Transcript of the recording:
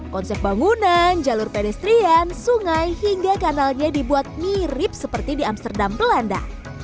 konsep bangunan jalur pedestrian sungai hingga kanalnya dibuat mirip seperti di amsterdam belanda